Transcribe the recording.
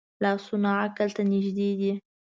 لاسونه عقل ته نږدې دي